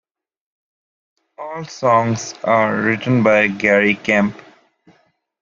All songs are written by Gary Kemp.